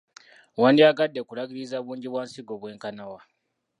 Wandyagadde kulagiriza bungi bwa nsigo bwenkana wa?